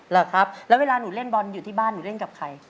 เหรอครับแล้วเวลาหนูเล่นบอลอยู่ที่บ้านหนูเล่นกับใคร